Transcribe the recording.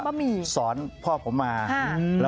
ตั้งแต่คุณพ่อตั้งแต่สมัยคุณพ่ออยู่บางจีนก็เลย